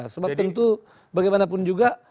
sebab tentu bagaimanapun juga